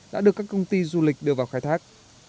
đã được các công ty du lịch đưa vào khai thác